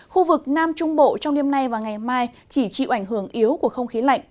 khu vực nam trung bộ trong đêm nay và ngày mai chỉ chịu ảnh hưởng yếu của không khí lạnh